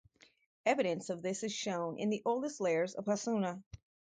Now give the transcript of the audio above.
Evidence of this is shown in the oldest layers of Hassuna.